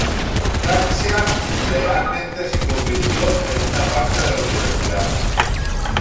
Caccia", legalmente se convirtió en una parte de la universidad.